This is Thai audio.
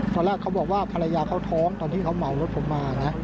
ตอนแรกเขาบอกว่าภรรยาเขาท้องตอนที่เขาเหมารถผมมานะ